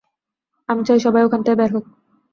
আমি চাই সবাই ওখান থেকে বের হোক!